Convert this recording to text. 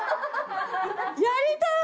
やりたい！